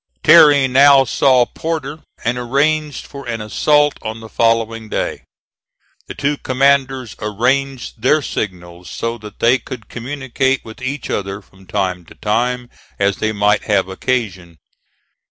Terry now saw Porter and arranged for an assault on the following day. The two commanders arranged their signals so that they could communicate with each other from time to time as they might have occasion.